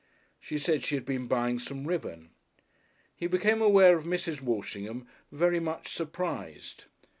She said she had been buying some ribbon. He became aware of Mrs. Walshingham very much surprised.